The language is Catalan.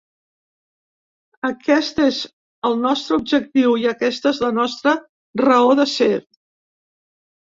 Aquest és el nostre objectiu i aquesta és la nostra raó de ser.